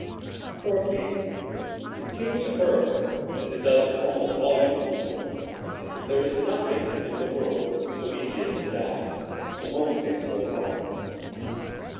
Poor Katy. It seemed to her, as it does to almost all young people, that there is nothing in the world so easy as to die, the moment things go wrong!